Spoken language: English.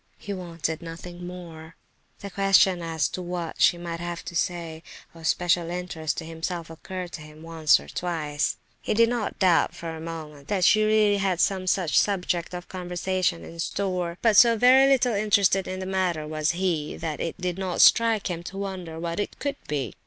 He wanted nothing more. The question as to what she might have to say of special interest to himself occurred to him once or twice. He did not doubt, for a moment, that she really had some such subject of conversation in store, but so very little interested in the matter was he that it did not strike him to wonder what it could be.